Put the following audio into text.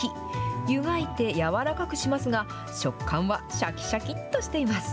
ゆがいて柔らかくしますが、食感はしゃきしゃきっとしています。